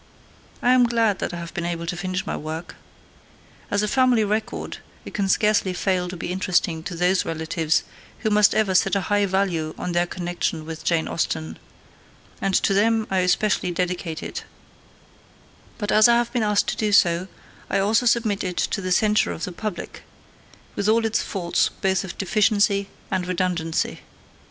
I am glad that I have been able to finish my work. As a family record it can scarcely fail to be interesting to those relatives who must ever set a high value on their connection with Jane Austen, and to them I especially dedicate it; but as I have been asked to do so, I also submit it to the censure of the public, with all its faults both of deficiency and redundancy.